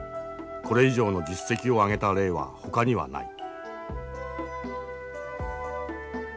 これ以上の実績を上げた例はほかにはない。